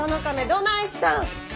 どないしたん？